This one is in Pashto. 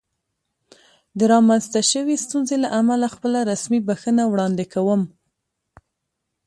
د رامنځته شوې ستونزې له امله خپله رسمي بښنه وړاندې کوم.